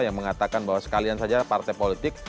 yang mengatakan bahwa sekalian saja partai politik